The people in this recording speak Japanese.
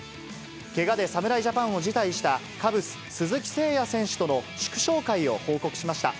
けがで侍ジャパンを辞退したカブス、鈴木誠也選手との祝勝会を報告しました。